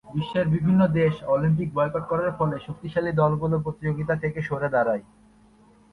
বিশ্বের বিভিন্ন দেশ এই অলিম্পিক বয়কট করার ফলে শক্তিশালী দলগুলি প্রতিযোগিতা থেকে সরে দাঁড়ায়।